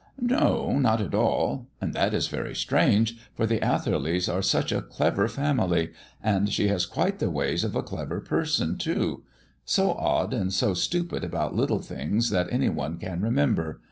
"No, not at all; and that is very strange, for the Atherleys are such a clever family, and she has quite the ways of a clever person, too; so odd, and so stupid about little things that anyone can remember.